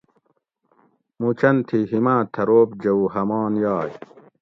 مُوچۤن تھی ہِماۤں تۤھروپ جوؤ ہمان یائی